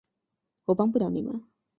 我帮不了你们